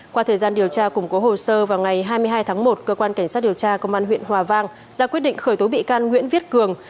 qua thời gian điều tra củng cố hồ sơ vào ngày hai mươi hai tháng một cơ quan cảnh sát điều tra công an huyện hòa vang ra quyết định khởi tố bị can nguyễn viết cường